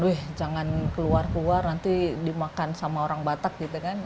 wih jangan keluar keluar nanti dimakan sama orang batak gitu kan